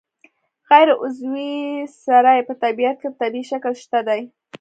غیر عضوي سرې په طبیعت کې په طبیعي شکل شته دي.